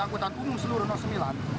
putar umum seluruh nusmilan